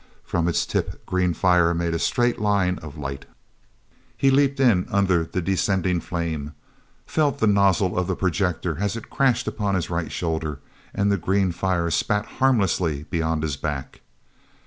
From its tip green fire made a straight line of light. He leaped in under the descending flame, felt the nozzle of the projector as it crashed upon his right shoulder and the green fire spat harmlessly beyond his back.